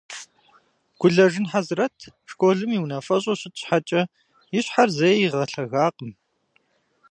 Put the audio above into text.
Гулэжын Хьэзрэт школым и унафэщӏу щыт щхьэкӏэ и щхьэр зэи игъэлъэгакъым.